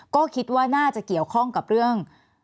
ก็คิดว่าน่าจะเกี่ยวข้องกับเรื่อง